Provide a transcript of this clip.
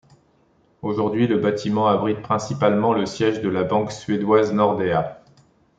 Aujourd'hui, le bâtiment abrite principalement le siège de la banque suédoise Nordea.